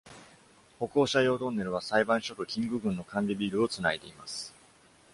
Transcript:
歩行者用トンネルは、裁判所とキング郡の管理ビルを繋いでいます。